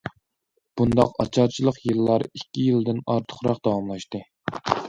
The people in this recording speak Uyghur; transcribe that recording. بۇنداق ئاچارچىلىق يىللار ئىككى يىلدىن ئارتۇقراق داۋاملاشتى.